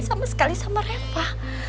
sama sekali sama reva